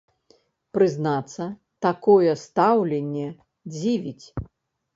Прызнацца, такое стаўленне дзівіць.